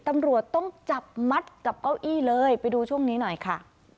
ตำรวจต้องจับมัดกับเก้าอี้เลยไปดูช่วงนี้หน่อยค่ะ